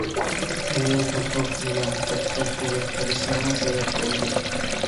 بۇ يالغۇزلۇق مىنىڭ بەتخەج بولۇپ قىلىشىمغا سەۋەب بولدى.